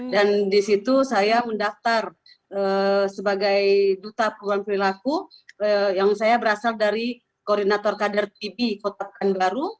dan disitu saya mendaftar sebagai duta perubahan perilaku yang saya berasal dari koordinator kader pb kota pekanbaru